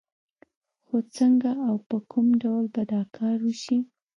خو څنګه او په کوم ډول به دا کار وشي؟